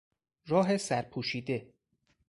راه سر پوشیده